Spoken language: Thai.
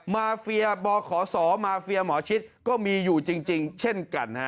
มาเฟียบขศมาเฟียหมอชิดก็มีอยู่จริงเช่นกันฮะ